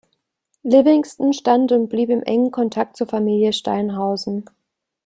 Livingston stand und blieb im engen Kontakt zur Familie Steinhausen.